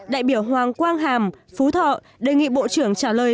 đại biểu hoàng quang hàm phú thọ đề nghị bộ trưởng trả lời